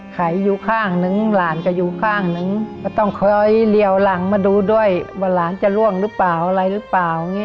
ไขอยู่ข้างนึงหลานก็อยู่ข้างนึงก็ต้องคอยเลี้ยวหลังมาดูด้วยว่าหลานจะล่วงหรือเปล่าอะไรหรือเปล่าอย่างนี้